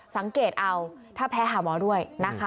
สังเกตเอาถ้าแพ้หาหมอด้วยนะคะ